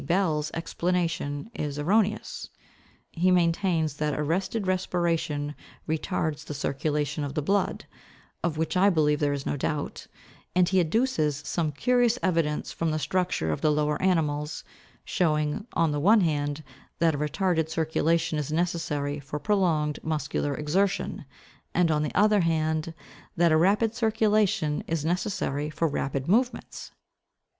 Bell's explanation is erroneous. He maintains that arrested respiration retards the circulation of the blood, of which I believe there is no doubt, and he adduces some curious evidence from the structure of the lower animals, showing, on the one hand, that a retarded circulation is necessary for prolonged muscular exertion, and, on the other hand, that a rapid circulation is necessary for rapid movements.